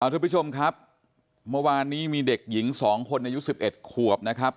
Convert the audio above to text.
ทุกผู้ชมครับเมื่อวานนี้มีเด็กหญิง๒คนอายุ๑๑ขวบนะครับ